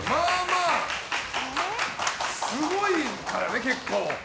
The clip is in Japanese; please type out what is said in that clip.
すごいからね、結構。